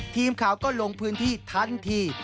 ทีมข่าวก็ลงพื้นที่ทันที